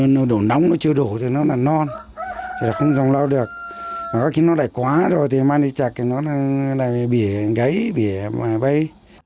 nó đủ nóng nó chưa đủ thì nó là non thì là không dòng lau được mà có khi nó đầy quá rồi thì mang đi chặt thì nó là bị gáy bị bây